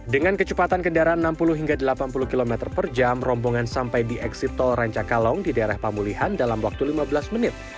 dengan kecepatan kendaraan enam puluh hingga delapan puluh km per jam rombongan sampai di eksit tol rancakalong di daerah pemulihan dalam waktu lima belas menit